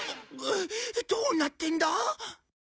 どうなってんだ？